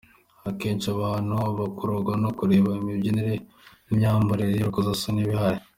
Akenshi abantu bakururwa no kureba imibyinire n’imyambarire y’urukoza soni iba ihari.